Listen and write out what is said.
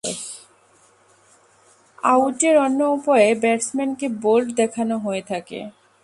আউটের অন্য উপায়ে ব্যাটসম্যানকে বোল্ড দেখানো হয়ে থাকে।